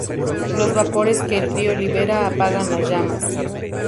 Los vapores que el río libera apagan las llamas.